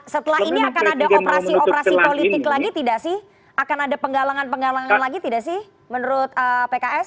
setelah ini akan ada operasi operasi politik lagi tidak sih akan ada penggalangan penggalangan lagi tidak sih menurut pks